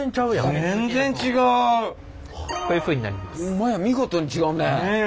ホンマや見事に違うね。